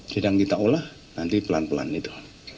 sedang kita olah nanti pelan pelan itu